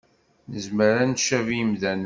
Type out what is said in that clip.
Nezmer ad ncabi imdanen